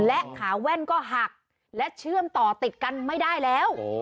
และขาแว่นก็หักและเชื่อมต่อติดกันไม่ได้แล้ว